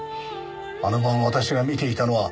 あの晩私が見ていたのは。